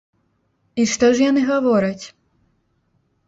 І што ж яны гавораць?